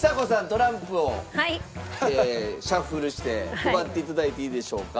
トランプをシャッフルして配って頂いていいでしょうか？